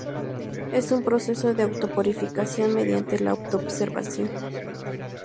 Es un proceso de auto-purificación mediante la auto-observación.